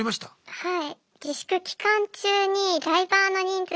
はい。